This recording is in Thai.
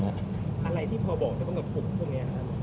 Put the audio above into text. หมอบรรยาหมอบรรยา